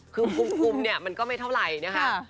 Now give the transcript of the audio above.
คือคุมเนี่ยมันก็ไม่เท่าไหร่นะคะ